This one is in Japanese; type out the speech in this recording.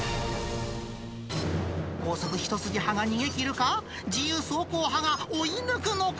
高速一筋派が逃げ切るか、自由走行派が追い抜くのか。